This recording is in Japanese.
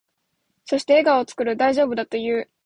そして、笑顔を作る。大丈夫だと言う。